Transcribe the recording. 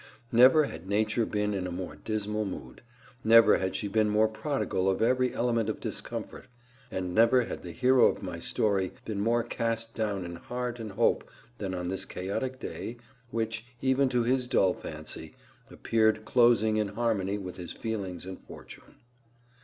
Never had Nature been in a more dismal mood, never had she been more prodigal of every element of discomfort, and never had the hero of my story been more cast down in heart and hope than on this chaotic day which, even to his dull fancy, appeared closing in harmony with his feelings and fortune.